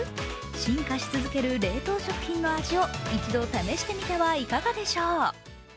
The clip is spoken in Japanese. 進化し続ける冷凍食品の味を、一度試してみてはいかがでしょう？